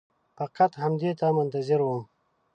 فقط همدې ته منتظر وم.